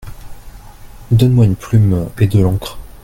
Donne-moi une plume et de l’encre.